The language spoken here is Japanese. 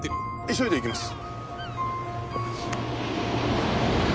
急いで行きます。